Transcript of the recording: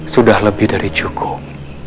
sudah lebih dari cukup